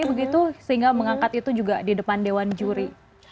begitu sehingga mengangkat itu juga di depan dewan juri